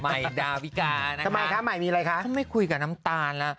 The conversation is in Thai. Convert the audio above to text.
ใหม่ดาวิกายนะครับทำไมคะใหม่มีอะไรคะก็ไม่คุยกับน้ำตาลล่ะ